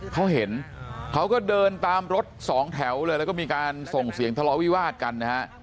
เขาเห็นเขาก็เดินตามรถสองแถวเลยแล้วก็มีการส่งเสียงทะเลาะวิวาดกันนะฮะ